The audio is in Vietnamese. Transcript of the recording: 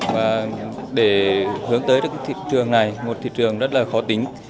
và để hướng tới thị trường này một thị trường rất là khó tính